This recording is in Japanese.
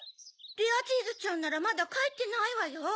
レアチーズちゃんならまだかえってないわよ。